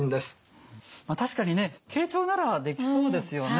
確かにね傾聴ならできそうですよね。